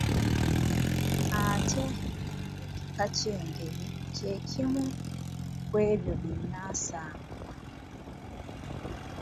Ate ng'ekika ky'Engeye kye kimu ku ebyo binnansangwa.